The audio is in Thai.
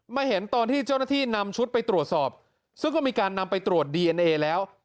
เห็นตอนที่เจ้าหน้าที่นำชุดไปตรวจสอบซึ่งก็มีการนำไปตรวจดีเอ็นเอแล้ว